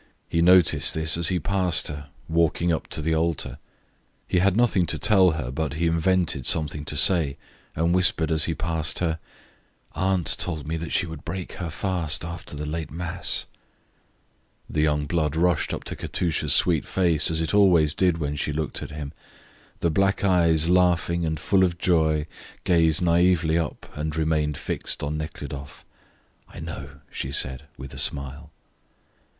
He noticed this as he passed her, walking up to the altar. He had nothing to tell her, but he invented something to say and whispered as he passed her: "Aunt told me that she would break her fast after the late mass." The young blood rushed up to Katusha's sweet face, as it always did when she looked at him. The black eyes, laughing and full of joy, gazed naively up and remained fixed on Nekhludoff. "I know," she said, with a smile.